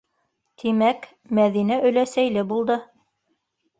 - Тимәк, Мәҙинә өләсәйле булды.